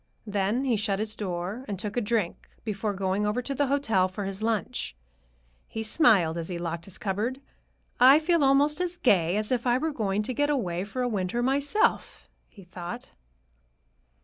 Then he shut his door and took a drink before going over to the hotel for his lunch. He smiled as he locked his cupboard. "I feel almost as gay as if I were going to get away for a winter myself," he thought.